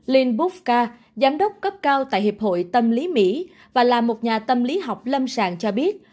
linh bookar giám đốc cấp cao tại hiệp hội tâm lý mỹ và là một nhà tâm lý học lâm sàng cho biết